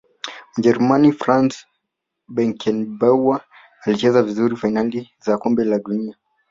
mjerumani franz beckenbauer alicheza vizuri fainali za kombe la dunia